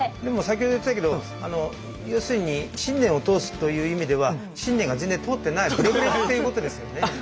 でも先ほど言ってたけど要するに信念を通すという意味では信念が全然通ってないブレブレっていうことですよね。